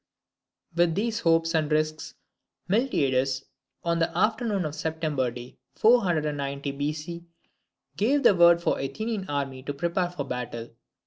With these hopes and risks, Miltiades, on the afternoon of a September day, 490 B.C., gave the word for the Athenian army to prepare for battle.